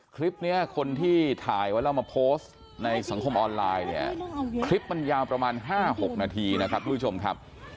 คลิปนี้คนที่ถ่ายไว้แล้วมาโพสต์ในสังคมออนไลน์เนี่ยคลิปมันยาวประมาณ๕๖นาทีนะครับทุกผู้ชมครับ